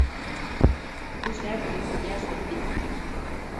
Hoe sterk is it gjers op de dyk?